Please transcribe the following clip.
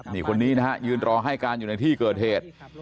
นี่คนนี้นะฮะยืนรอให้การอยู่ในที่เกิดเหตุ